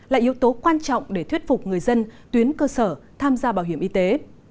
là yếu tố quan trọng để thuyết phục người dân tuyến cơ sở tham gia bảo hiểm y tế